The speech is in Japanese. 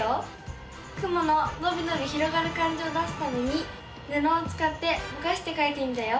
雲ののびのび広がる感じを出すためにぬのをつかってぼかしてかいてみたよ。